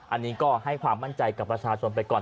อันนี้ก็ให้ความมั่นใจกับประชาชนไปก่อน